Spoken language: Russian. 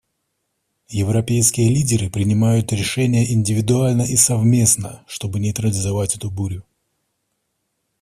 Европейские лидеры принимают решения, индивидуально и совместно, чтобы нейтрализовать эту бурю.